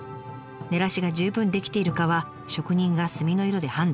ねらしが十分できているかは職人が炭の色で判断。